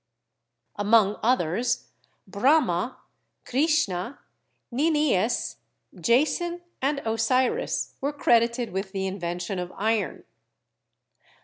Among others, Brahma, Krishna, Nin Ies, Jason and Osiris were credited with the invention of iron.